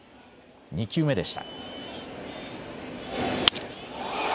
２球目でした。